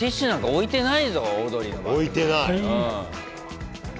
置いてない。